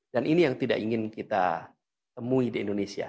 dan ini yang tidak ingin kita temui di indonesia